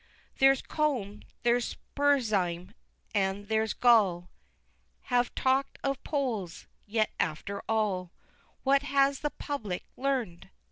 XXII. There's Combe, there's Spurzheim, and there's Gall, Have talk'd of poles yet, after all, What has the public learn'd?